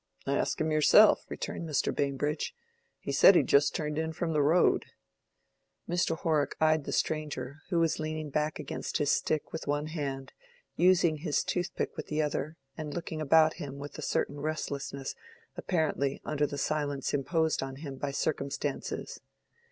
"Ask him yourself," returned Mr. Bambridge. "He said he'd just turned in from the road." Mr. Horrock eyed the stranger, who was leaning back against his stick with one hand, using his toothpick with the other, and looking about him with a certain restlessness apparently under the silence imposed on him by circumstances.